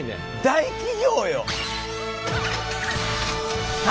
大企業よ！